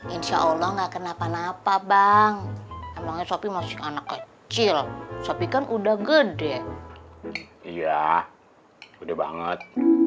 insya allah nggak kenapa napa bang emangnya sopi masih anak kecil sopi kan udah gede iya udah banget